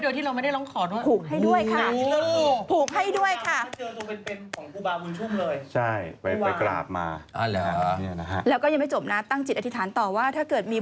ยืนให้โดยที่เราไม่ได้ร้องขอด้วย